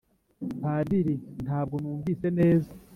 padiri: " ntabwo numvise neza ..!